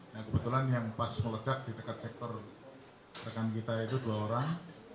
nah kebetulan yang pas meledak di dekat sektor rekan kita itu dua orang